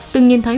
từng nhìn thấy